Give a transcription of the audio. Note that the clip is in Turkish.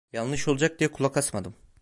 Yanlış olacak diye kulak asmadım.